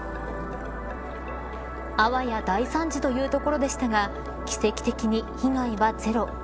あわや大惨事というところでしたが奇跡的に被害はゼロ。